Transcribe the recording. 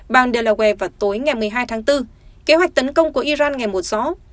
bang delaware vào tối ngày một mươi hai tháng bốn kế hoạch tấn công của iran ngày một rõ